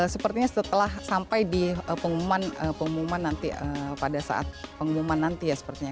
sepertinya setelah sampai di pengumuman nanti pada saat pengumuman nanti ya sepertinya